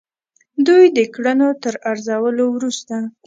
دوی د کړنو تر ارزولو وروسته.